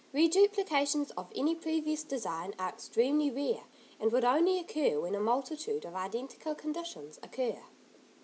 Reduplications of any previous design are extremely rare, and would only occur when a multitude of identical conditions occur.